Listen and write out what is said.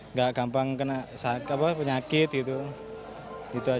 nggak gampang kena penyakit gitu